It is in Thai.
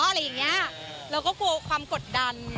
อะไรอย่างเงี้ยเราก็กลัวความกดดัน